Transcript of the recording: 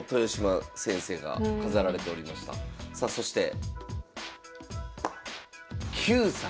さあそして「９歳」。